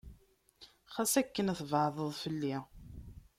Xas akken tbeɛdeḍ fell-i.